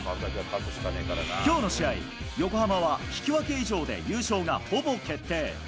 きょうの試合、横浜は引き分け以上で優勝がほぼ決定。